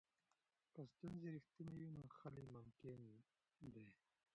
که ستونزې رښتینې وي نو حل یې ممکن دی.